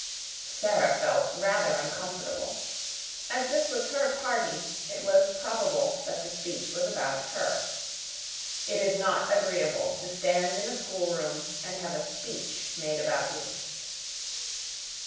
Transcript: Sara felt rather uncomfortable. As this was her party, it was probable that the speech was about her. It is not agreeable to stand in a schoolroom and have a speech made about you.